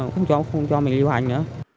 không cho mình liên quan nữa